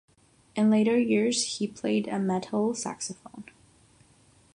In later years, he played a metal saxophone.